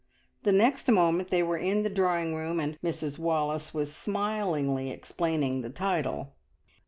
The next moment they were in the drawing room, and Mrs Wallace was smilingly explaining the title.